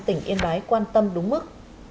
tỉnh yên bái quan tâm đúng mức